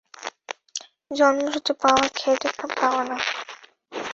জন্মসূত্রে পাওয়া, খেটে পাওয়া নয়।